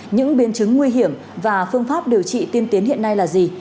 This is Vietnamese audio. những biến chứng nguy hiểm và phương pháp điều trị tiên tiến hiện nay là gì